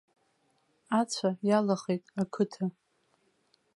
Ацәа иалахеит ақыҭа.